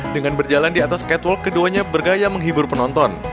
dengan berjalan di atas catwalk keduanya bergaya menghibur penonton